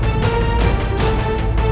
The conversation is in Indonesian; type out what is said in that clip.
tidak ada yang bisa diberi